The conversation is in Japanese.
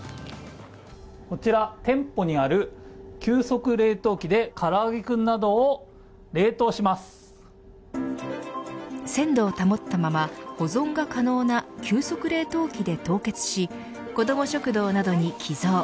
こちら店舗にある急速冷凍機で鮮度を保ったまま保存が可能な急速冷凍機で冷凍し子ども食堂などに寄贈。